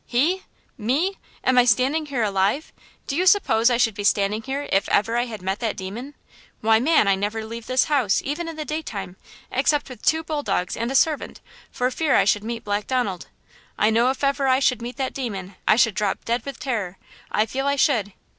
"He? Me? Am I standing here alive? Do you suppose I should be standing here if ever I had met that demon? Why, man, I never leave this house, even in the day time, except with two bull dogs and a servant, for fear I should meet Black Donald! I know if ever I should meet that demon, I should drop dead with terror! I feel I should!"